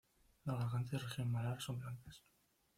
La garganta y región malar son blancas.